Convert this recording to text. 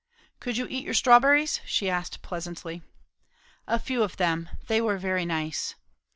"Could you eat your strawberries?" she asked presently. "A few of them. They were very nice."